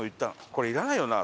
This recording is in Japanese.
「これいらないよな？」